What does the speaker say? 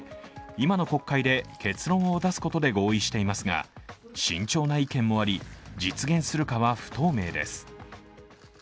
今の国会で結論を出すことで合意していますが、慎重な意見もあり実現するかは不透明です。